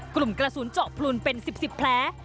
กลุ่มกระสุนเจาะพลูนเป็นสิบแพ้